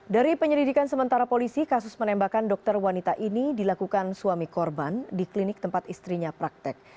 dari penyelidikan sementara polisi kasus penembakan dokter wanita ini dilakukan suami korban di klinik tempat istrinya praktek